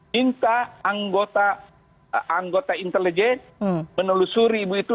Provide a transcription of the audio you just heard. minta anggota intelijen menelusuri ibu itu